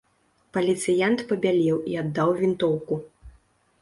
Паліцыянт пабялеў і аддаў вінтоўку.